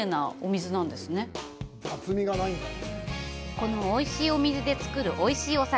このおいしいお水で造るおいしいお酒！